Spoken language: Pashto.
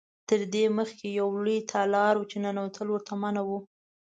تر دې مخکې یو لوی تالار و چې ننوتل ورته منع و.